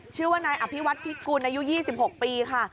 ชื่อว่านายอภิวัตพิกุลอายุ๒๖ปีค่ะ